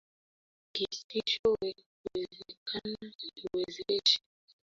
Kisichowezekana niwezeshe.